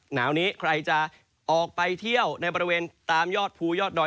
หนาวนี้ใครจะออกไปเที่ยวในบริเวณตามยอดภูยอดดอย